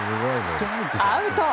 アウト！